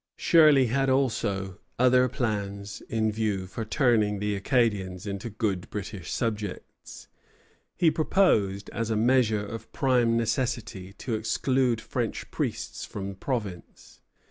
Shirley had also other plans in view for turning the Acadians into good British subjects. He proposed, as a measure of prime necessity, to exclude French priests from the province.